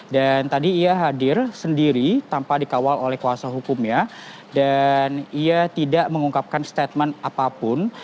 dan tadi ia hadir sendiri tanpa dikawal oleh kuasa hukumnya dan ia tidak mengungkapkan statement apapun